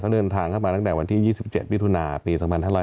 เข้าเดินทางเข้ามาตั้งแต่วันที่๒๗ปีธุนาปี๒๑๕๖